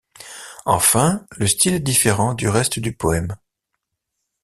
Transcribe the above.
Enfin, le style est différent du reste du poème.